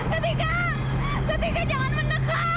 ketika ketika jangan menekat